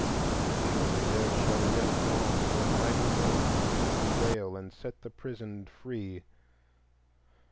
Surely there shall yet dawn some mighty morning to lift the Veil and set the prisoned free.